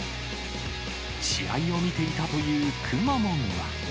試合を見ていたというくまモンは。